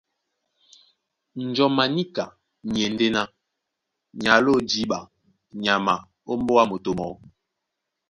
Njɔm a níka ni e ndé ná ni aló jǐɓa nyama ómbóá moto mɔɔ́.